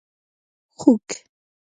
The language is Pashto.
🐖 خوګ